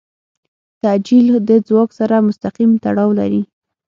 تعجیل د ځواک سره مستقیم تړاو لري.